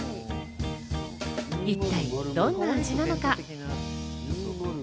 一体どんな味なのか？